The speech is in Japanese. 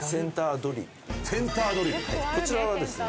こちらはですね